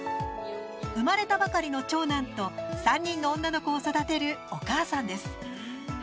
生まれたばかりの長男と３人の女の子を育てるお母さんです。